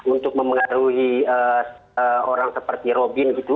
untuk memengaruhi orang seperti robin gitu